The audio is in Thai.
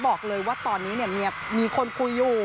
บอกเลยว่าตอนนี้เนี่ยมีคนคุยอยู่